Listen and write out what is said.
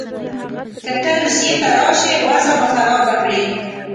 که ته روسیې ته راسې وضع به خرابه کړې.